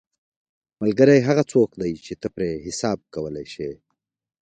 ملګری هغه څوک دی چې ته پرې حساب کولی شې.